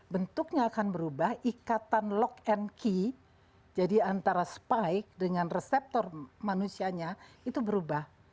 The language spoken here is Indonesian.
bentuknya akan berubah ikatan lock and key jadi antara spike dengan reseptor manusianya itu berubah